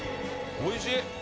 おいしい！